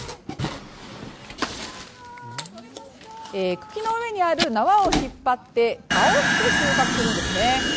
茎の上にある縄を引っ張って、倒して収穫するんですね。